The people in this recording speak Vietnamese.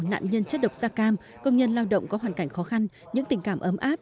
nạn nhân chất độc da cam công nhân lao động có hoàn cảnh khó khăn những tình cảm ấm áp